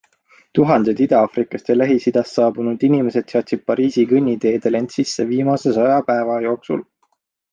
Tuhanded Ida-Aafrikast ja Lähis-Idast saabunud inimesed seadsid Pariisi kõnniteedel end sisse viimase saja päeva jooksul.